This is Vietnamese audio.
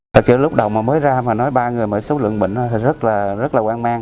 học trợ lúc đầu mà mới ra mà nói ba người mà số lượng bệnh nó thì rất là rất là quan mang